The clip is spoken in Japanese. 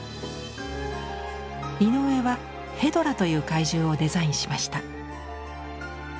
井上は「ヘドラ」という怪獣をデザインしました。